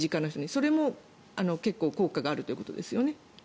それも効果があるということですよね。